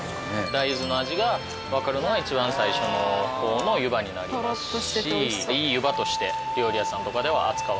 大豆の味がわかるのは一番最初の方の湯葉になりますしいい湯葉として料理屋さんとかでは扱われる。